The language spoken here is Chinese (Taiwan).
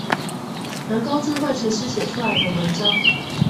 人工智慧程式寫出來的文章